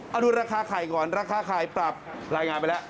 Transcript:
เอาดูราคาไข่ก่อนราคาไข่ปรับรายงานไปแล้ว